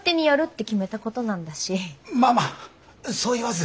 まあまあそう言わず。